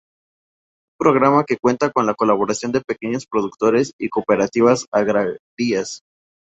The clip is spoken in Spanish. Un programa que cuenta con la colaboración de pequeños productores y cooperativas agrarias.